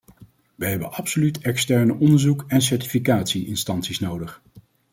Wij hebben absoluut externe onderzoek- en certificatie-instanties nodig.